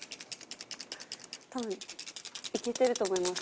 多分いけてると思います。